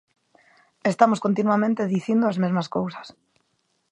Estamos continuamente dicindo as mesmas cousas.